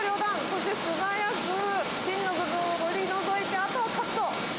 そして素早く芯の部分を取り除いて、あとはカット。